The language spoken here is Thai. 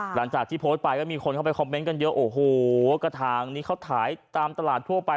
หลังจากที่โพสต์ไปก็มีคนเข้าไปคอมเมนต์กันเยอะโอ้โหกระถางนี้เขาถ่ายตามตลาดทั่วไป